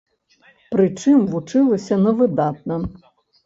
Прычым вучылася на выдатна.